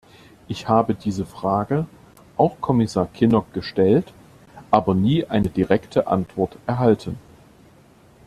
Ich habe diese Frage auch Kommissar Kinnock gestellt, aber nie eine direkte Antwort erhalten.